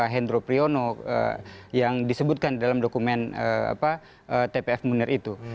hendro priyono yang disebutkan dalam dokumen tpf munir itu